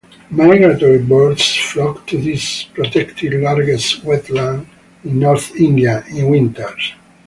Migratory birds flock to this protected largest wetland in North India in winters.